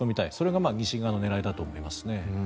それが西側の狙いだと思いますね。